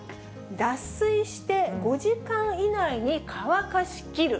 脱水して５時間以内に乾かしきる。